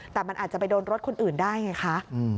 แต่มันอาจจะไปโดนรถคนอื่นได้ไงคะ